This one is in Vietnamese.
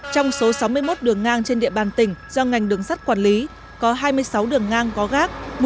trong số sáu mươi một đường ngang trên địa bàn tỉnh do ngành đường sắt quản lý có hai mươi sáu đường ngang có gác